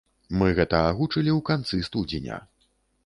Мы гэта агучылі ў канцы студзеня.